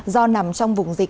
do nằm trong vùng dịch